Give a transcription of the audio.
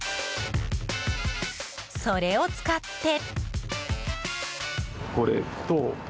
それを使って。